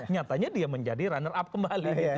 nyatanya dia menjadi runner up kembali gitu